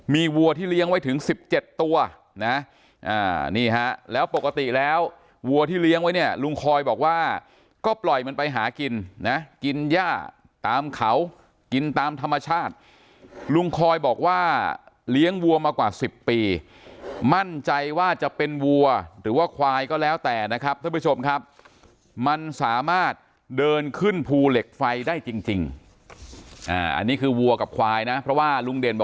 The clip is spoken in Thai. มีวัวที่เลี้ยงไว้ถึง๑๗ตัวนะนี่ฮะแล้วปกติแล้ววัวที่เลี้ยงไว้เนี่ยลุงคอยบอกว่าก็ปล่อยมันไปหากินนะกินย่าตามเขากินตามธรรมชาติลุงคอยบอกว่าเลี้ยงวัวมากว่า๑๐ปีมั่นใจว่าจะเป็นวัวหรือว่าควายก็แล้วแต่นะครับท่านผู้ชมครับมันสามารถเดินขึ้นภูเหล็กไฟได้จริงอันนี้คือวัวกับควายนะเพราะว่าลุงเด่นบ